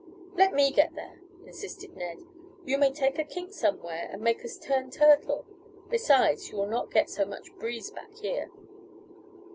"Let me get there," insisted Ned, "you may take a kink somewhere and make us turn turtle. Besides you will not get so much breeze back here."